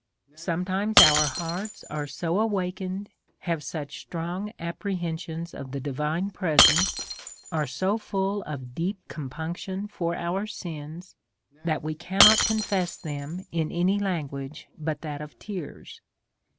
Some times our hearts are sg awakened^ have such strong apprehensions of the divine presence, are so full of deep compunction for our sins, that we cannot confess them in any language but that of tears.